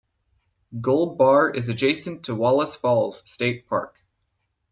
Gold Bar is adjacent to Wallace Falls State Park.